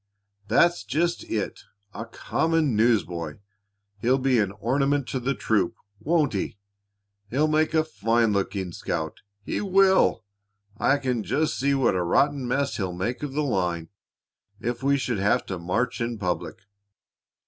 "That's just it a common newsboy! He'll be an ornament to the troop, won't he? He'll make a fine looking scout, he will! I can just see what a rotten mess he'll make of the line if we should have to march in public.